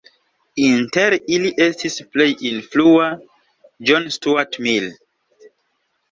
Inter ili estis plej influa John Stuart Mill.